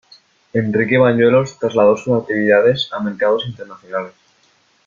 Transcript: Enrique Bañuelos trasladó sus actividades a mercados internacionales.